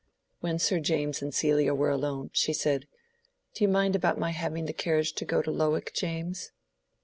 When Sir James and Celia were alone, she said, "Do you mind about my having the carriage to go to Lowick, James?"